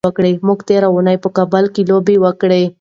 موږ تېره اونۍ په کابل کې لوبه وکړه.